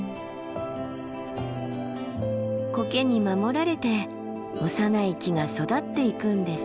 コケに守られて幼い木が育っていくんですね。